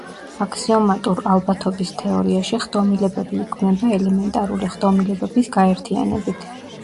აქსიომატურ ალბათობის თეორიაში ხდომილებები იქმნება ელემენტარული ხდომილებების გაერთიანებით.